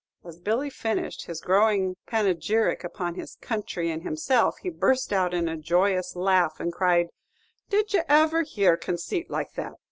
As Billy finished his growing panegyric upon his country and himself, he burst out in a joyous laugh, and cried, "Did ye ever hear conceit like that?